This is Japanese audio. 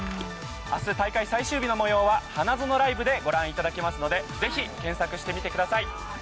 あす、大会最終日のもようは、ハナゾノライブでご覧いただけますので、ぜひ、検索してみてください。